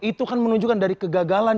itu kan menunjukkan dari kegagalan